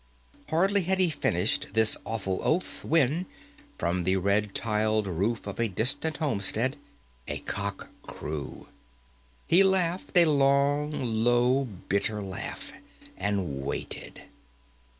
Hardly had he finished this awful oath when, from the red tiled roof of a distant homestead, a cock crew. He laughed a long, low, bitter laugh, and waited.